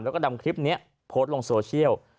แล้วก็นำคลิปนี้โพสต์ลงโซเชียล